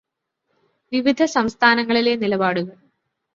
വിവിധ സംസ്ഥാനങ്ങളിലെ നിലപാടുകള്